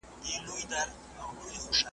پیدا کړی چي خالق فاني جهان دی `